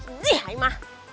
sedih aing ma